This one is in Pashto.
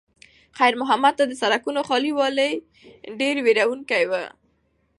خیر محمد ته د سړکونو خالي والی ډېر وېروونکی و.